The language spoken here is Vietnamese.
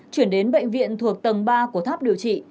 chuyển đến bệnh viện thuộc tầng ba của tháp điều trị